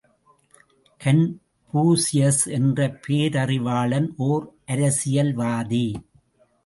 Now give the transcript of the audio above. Confucius என்ற பேரறிவாளன் ஓர் அரசியல் வாதி!